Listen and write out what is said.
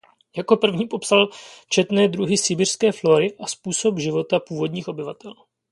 Jako první popsal četné druhy sibiřské flóry a způsob života původních obyvatel.